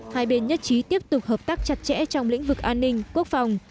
hai bên nhất trí tiếp tục hợp tác chặt chẽ trong lĩnh vực an ninh quốc phòng